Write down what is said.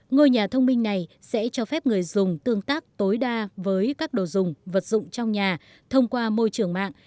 ngôi nhà thông minh này sẽ cho phép người dùng tương tác tối đa với các đồ dùng vật dụng trong nhà thông qua môi trường mạng